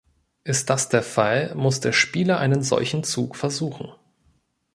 Ist das der Fall, muss der Spieler einen solchen Zug versuchen.